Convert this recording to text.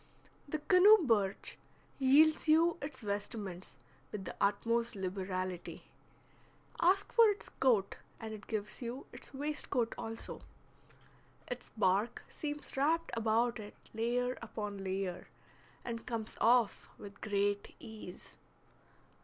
The canoe birch yields you its vestments with the utmost liberality. Ask for its coat, and it gives you its waistcoat also. Its bark seems wrapped about it layer upon layer, and comes off with great ease.